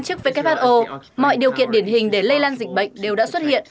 theo quan chức who mọi điều kiện điển hình để lây lan dịch bệnh đều đã xuất hiện